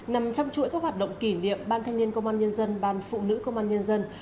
nằm trong chuỗi các hoạt động kỷ niệm ban thanh niên công an nhân dân ban phụ nữ công an nhân dân